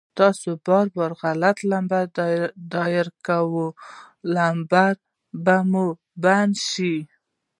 تاسو بار بار غلط نمبر ډائل کوئ ، نمبر به مو بند شي